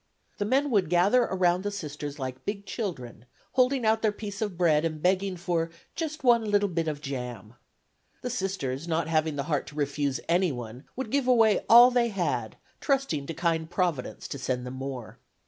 The men would gather around the Sisters like big children, holding out their piece of bread and begging for "just one little bit of jam." The Sisters, not having the heart to refuse anyone, would give away all they had, trusting to kind Providence to send them more.